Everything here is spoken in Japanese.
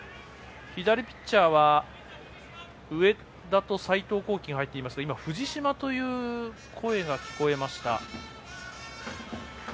左ピッチャーは上田と齋藤綱記が入っていますが藤嶋という声が聞こえました。